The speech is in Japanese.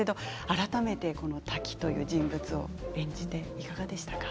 改めてこのタキという人物を演じていかがでしたか？